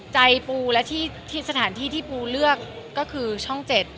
ใจปูและที่สถานที่ที่ปูเลือกก็คือช่อง๗